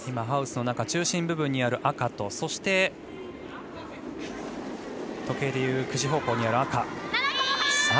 ハウスの中中心部分にある赤とそして時計でいう９時方向にある赤。